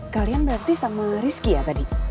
kalian berarti sama rizky ya tadi